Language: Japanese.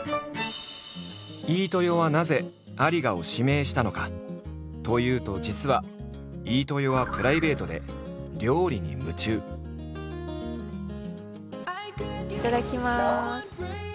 飯豊はなぜ有賀を指名したのかというと実は飯豊はプライベートでいただきます。